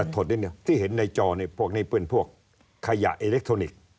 นิดหนึ่งที่เห็นในจอพวกนี้เป็นพวกขยะอิเล็กทรอนิกส์